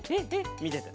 みててね。